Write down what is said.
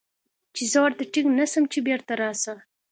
چې زه ورته ټينګ نه سم چې بېرته راسه.